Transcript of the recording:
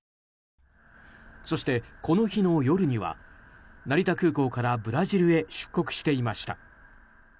そして、この日の夜には成田空港からブラジルへ出国していました。